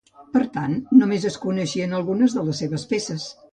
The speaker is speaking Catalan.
Per tant, només es coneixien algunes de les seves peces.